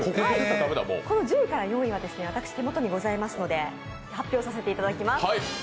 この１０位から４位は私の手元にございますので発表させていただきます。